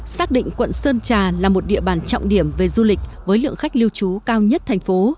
xác định quận sơn trà là một địa bàn trọng điểm về du lịch với lượng khách lưu trú cao nhất thành phố